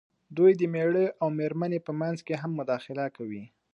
دوی د مېړۀ او مېرمنې په منځ کې هم مداخله کوي.